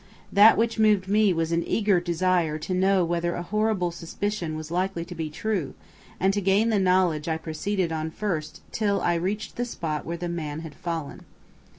That which moved me was an eager desire to know whether a horrible suspicion was likely to be true, and to gain the knowledge I proceeded on first till I reached the spot where the man had fallen.